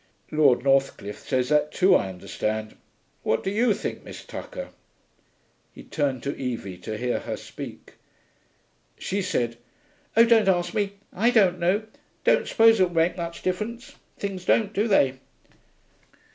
'Lord Northcliffe says that too, I understand.... What do you think, Miss Tucker?' He turned to Evie, to hear her speak. She said, 'Oh, don't ask me. I don't know. Don't suppose it will make much difference. Things don't, do they?'